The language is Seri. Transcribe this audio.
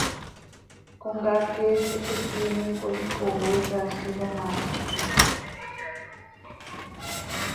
Comcaac queeej hizi quiinim coi tcooo icaalx iyomaaj.